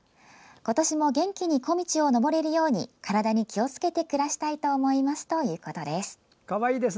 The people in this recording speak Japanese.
今年も元気に小道をのぼれるように体に気をつけて暮らしたいと思いますということです。